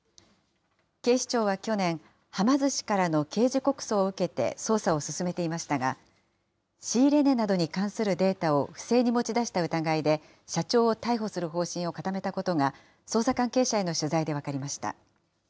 警視庁は去年、はま寿司からの刑事告訴を受けて捜査を進めていましたが、仕入れ値などに関するデータを不正に持ち出した疑いで社長を逮捕する方針を固めたことが捜査関係者への取材で分かりました。